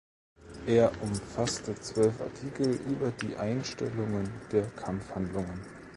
Er umfasste zwölf Artikel über die Einstellungen der Kampfhandlungen.